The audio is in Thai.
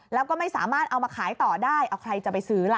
แล้วก็ไม่สามารถเอามาขายต่อได้เอาใครจะไปซื้อล่ะ